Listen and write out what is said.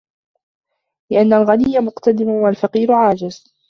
لِأَنَّ الْغَنِيَّ مُقْتَدِرٌ وَالْفَقِيرَ عَاجِزٌ